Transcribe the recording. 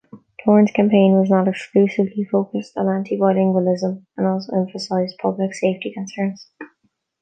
Doern's campaign was not exclusively focused on anti-bilingualism, and also emphasized public safety concerns.